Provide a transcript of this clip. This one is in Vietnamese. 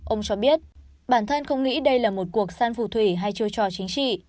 ông cho biết bản thân không nghĩ đây là một cuộc san phù thủy hay chiêu trò chính trị